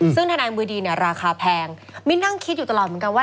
ซึ่งทนายมือดีเนี่ยราคาแพงมิ้นนั่งคิดอยู่ตลอดเหมือนกันว่า